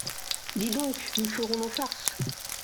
Dis donc, nous ferons nos farces !